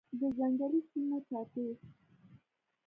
د ځنګلي سیمو چاپیر